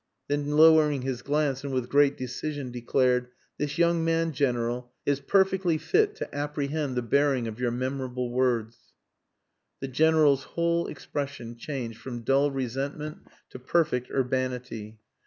_" Then lowering his glance and with great decision declared "This young man, General, is perfectly fit to apprehend the bearing of your memorable words." The General's whole expression changed from dull resentment to perfect urbanity.